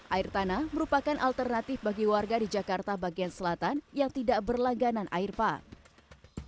air tanah merupakan alternatif bagi warga di jakarta bagian selatan yang tidak berlangganan air pump